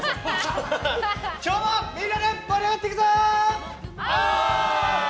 今日もみんなで盛り上がっていくぞ！